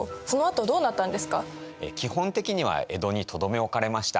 基本的には江戸にとどめ置かれました。